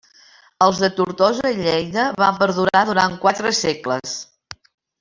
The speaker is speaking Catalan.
Els de Tortosa i Lleida van perdurar durant quatre segles.